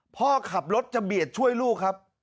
พ่อขับรถจะเบียดช่วยลูกครับ